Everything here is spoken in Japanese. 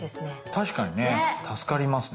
確かにね。助かりますね。